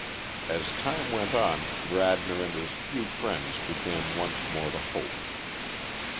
As time went on Radnor and his few friends began once more to hope.